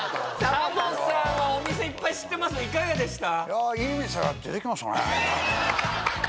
タモさんはお店いっぱい知ってますけどいかがでした？